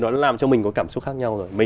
nó làm cho mình có cảm xúc khác nhau rồi